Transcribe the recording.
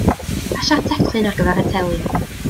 Pasia'r teclyn ar gyfer y teli.